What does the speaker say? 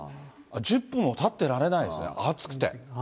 １０分も立ってられないですね、暑くて。